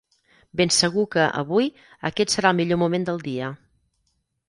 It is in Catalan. Ben segur que, avui, aquest serà el millor moment del dia.